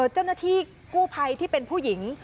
เจ้าหน้าที่กู้ภัยที่เป็นผู้หญิง